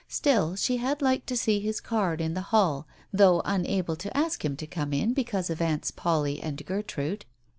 Still, she had liked to see his card in the hall, though unable to ask him to come in because of Aunts Polly and Gertrude.